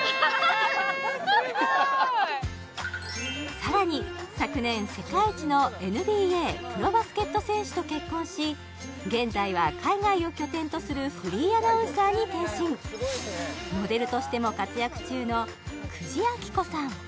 さらに昨年世界一のＮＢＡプロバスケット選手と結婚し現在は海外を拠点とするフリーアナウンサーに転身モデルとしても活躍中の久慈暁子さん